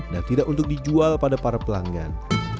dan tidak untuk dijual pada para pelanggan